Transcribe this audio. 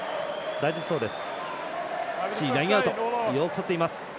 大丈夫そうです。